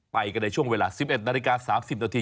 ไปกันในช่วงเวลา๑๑นาฬิกา๓๐นาที